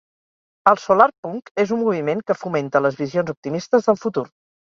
El solarpunk és un moviment que fomenta les visions optimistes del futur